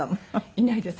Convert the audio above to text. いないです。